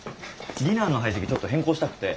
ディナーの配席ちょっと変更したくて。